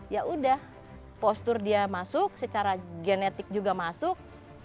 ya udah postur dia masuk secara genetik juga masuk